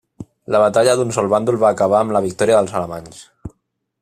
La batalla d'un sol bàndol va acabar amb la victòria dels alemanys.